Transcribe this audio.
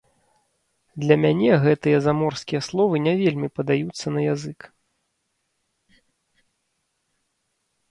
Для мяне гэтыя заморскія словы не вельмі падаюцца на язык.